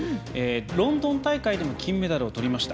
ロンドン大会でも金メダルをとりました。